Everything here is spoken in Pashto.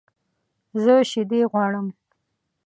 زه شیدې غواړم